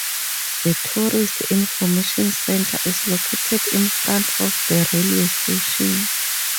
A tourist information centre is located in front of the railway station.